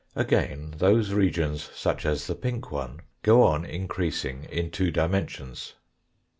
Again, those regions such as the pink one, go on increasing in two dimensions.